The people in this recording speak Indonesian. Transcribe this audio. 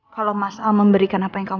kalau mas al memberikan apa yang kamu mau